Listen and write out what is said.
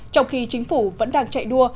trong khi chính phủ vẫn đang chạy đua